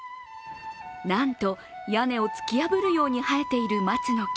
なんと屋根を突き破るように生えている松の木。